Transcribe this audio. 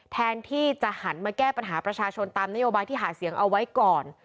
แทนที่จะหันมาแก้ปัญหาประชาชนตามนโยบายที่หาเสียงเอาไว้ก่อน